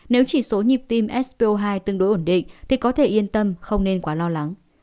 nếu chỉ số nhịp tim sp hai tương đối ổn định thì có thể yên tâm không nên quá lo lắng